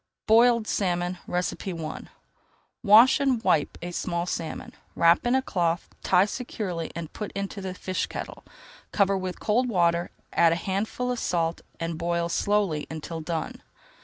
BOILED SALMON I Wash and wipe a small salmon, wrap in a cloth, tie securely and put into the fish kettle. Cover with cold water, add a handful of [Page 266] salt, and boil slowly until done.